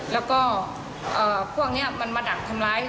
แล้วก็พวกนี้มันมาดักทำร้าย